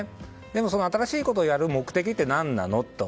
でもその新しいことをやる目的は何なの？と。